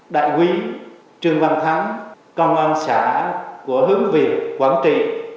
đại quý trương văn thắng công an xã của hương việt quảng trị